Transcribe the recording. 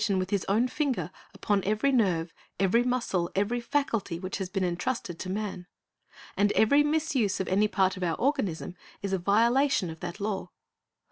34^ CJi rist's bj c c t L c s s ons with His own finger upon every nerve, every muscle, every faculty, which has been entrusted to man. And every misuse of any part of our organism is a violation of that law.